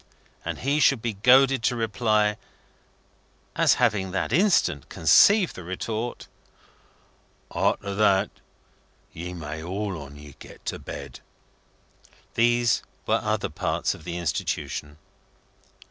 and he should be goaded to reply, as having that instant conceived the retort, "Arter that ye may all on ye get to bed!" These were other parts of the Institution.